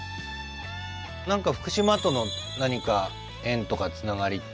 福島との何か縁とかつながりって。